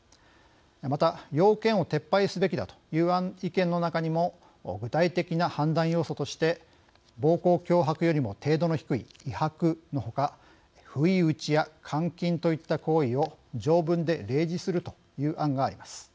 また要件を撤廃すべきだという意見の中にも具体的な判断要素として暴行・脅迫よりも程度の低い威迫のほか不意打ちや監禁といった行為を条文で例示するという案があります。